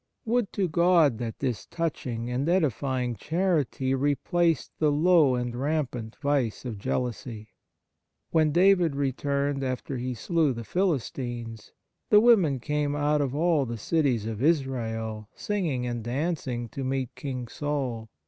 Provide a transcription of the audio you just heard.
Would to God that this touching and edifying 26 Sixth Characteristic charity replaced the low and rampant vice of jealousy ! When David returned after he slew the Philistines, the women came out of all the cities of Israel singing and dancing to meet King Saul.